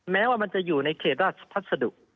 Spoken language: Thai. แม้ว่ามันจะอยู่ในเขตราชพัสดุ